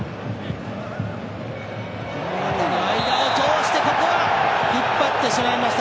股の間を通して、ここは引っ張ってしまいました。